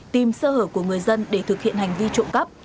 tìm sơ hở của người dân để thực hiện hành vi trộm cắp